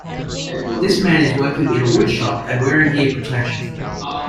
This man is working in a wood shop and wearing ear protection.